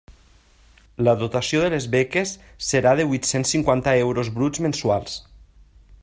La dotació de les beques serà de huit-cents cinquanta euros bruts mensuals.